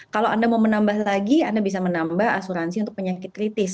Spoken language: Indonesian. kalau anda mau menambah lagi anda bisa menambah asuransi untuk penyakit kritis